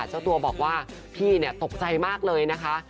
เจ้าตัวบอกว่าพี่ตกใจมากเลยนะคะ